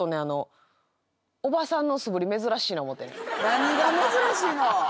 何が珍しいの。